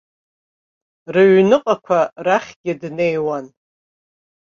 Рыҩныҟақәа рахьгьы днеиуан.